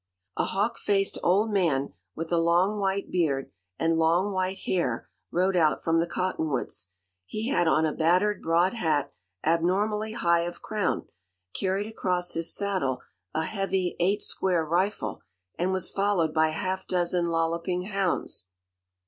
A hawk faced old man with a long white beard and long white hair rode out from the cottonwoods. He had on a battered broad hat abnormally high of crown, carried across his saddle a heavy "eight square" rifle, and was followed by a half dozen lolloping hounds.